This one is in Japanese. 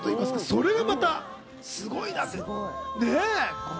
それがまたすごいなって。